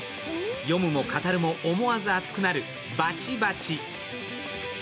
読むも語るも思わず熱くなる「バチバチ」。